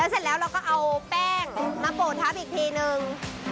เสร็จแล้วเราก็เอาแป้งมาโปรดทับอีกทีนึง